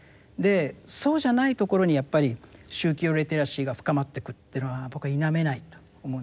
そうじゃないところにやっぱり宗教リテラシーが深まってくというのは僕は否めないと思うんです。